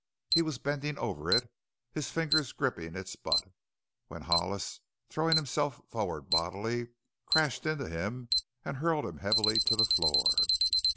He was bending over it, his fingers gripping its butt, when Hollis, throwing himself forward bodily, crashed into him and hurled him heavily to the floor.